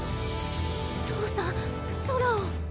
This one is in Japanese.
父さん空を。